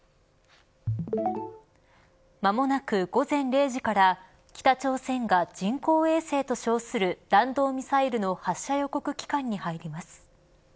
間もなく午前０時から北朝鮮が人工衛星と称する弾道ミサイルの発射予告期間に入ります。